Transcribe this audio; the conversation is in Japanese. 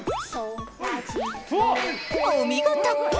お見事。